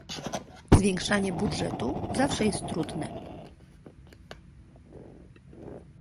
Zwiększanie budżetu zawsze jest trudne